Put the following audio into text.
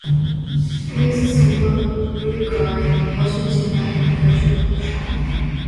It is a symbol of Uruguay, Argentina and gaucho culture.